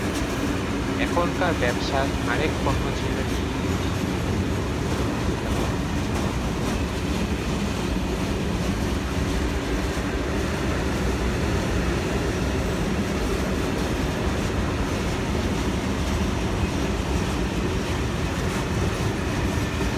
পতাকাটির মাঝে সাদা রঙের একটি অর্ধচন্দ্র এবং পাঁচটি তারকা রয়েছে যেগুলো একটি সাদা বলয় দ্বারা আবৃত।